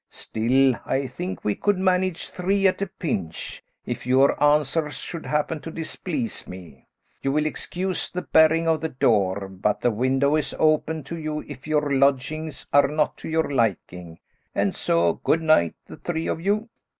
Still, I think we could manage three at a pinch, if your answers should happen to displease me. You will excuse the barring of the door, but the window is open to you if your lodgings are not to your liking. And so, good night, the three of you."